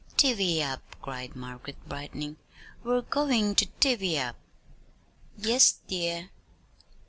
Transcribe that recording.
"Divvy up!" cried Margaret, brightening. "We're goin' to divvy up!" "Yes, dear."